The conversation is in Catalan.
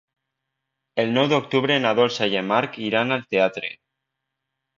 El nou d'octubre na Dolça i en Marc iran al teatre.